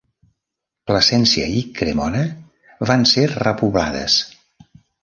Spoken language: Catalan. Plasència i Cremona van ser repoblades.